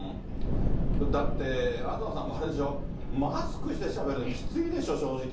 だって、東さんもあれでしょ、マスクしてしゃべるのきついでしょ、正直。